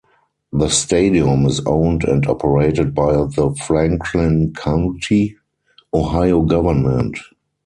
The stadium is owned and operated by the Franklin County, Ohio government.